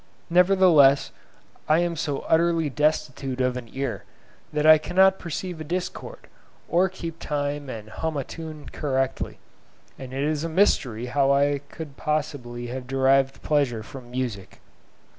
Nevertheless I am so utterly destitute of an ear, that I cannot perceive a discord, or keep time and hum a tune correctly; and it is a mystery how I could possibly have derived pleasure from music.